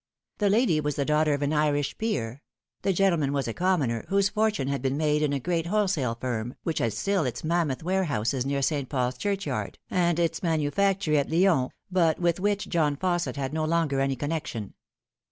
The lady was the daughter of an Irish peer ; the gentleman was a commoner, whose fortune had been made in a great wholesale firm, which had still its mammoth warehouses near St. Paul's Churchyard, and its manufactory at Lyons, but with which John Fausset had no longer any connection.